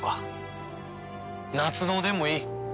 夏のおでんもいい。